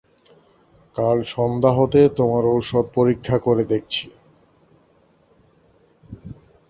কাল সন্ধ্যা হতে তোমার ঔষধ পরীক্ষা করে দেখছি।